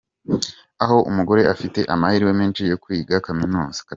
Aho umugore afite amahirwe menshi yo kwiga Kaminuza : Qatar.